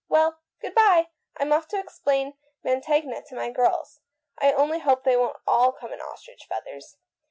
Well, good bye, I'm off to explain Mantegna to my girls. I only hope they won't all come in ostrich feathers.